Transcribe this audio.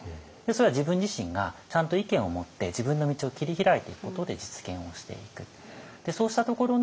それは自分自身がちゃんと意見を持って自分の道を切り開いていくことで実現をしていく。